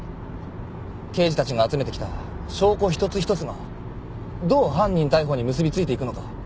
刑事たちが集めてきた証拠１つ１つがどう犯人逮捕に結びついていくのか。